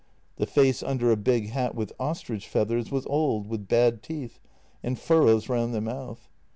The face under a big hat with ostrich feathers was old, with bad teeth, and fur rows round the mouth.